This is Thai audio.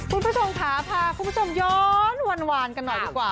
คุณผู้ชมค่ะพาคุณผู้ชมย้อนหวานกันหน่อยดีกว่า